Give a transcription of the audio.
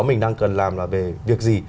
mình đang cần làm là về việc gì